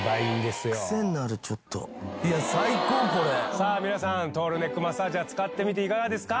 さあ皆さんトールネックマッサージャー使ってみていかがですか？